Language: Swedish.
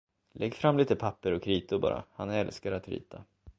Lägg fram lite papper och kritor bara, han älskar att rita.